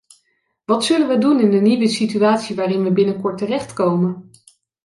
Wat zullen wij doen in de nieuwe situatie waarin wij binnenkort terechtkomen?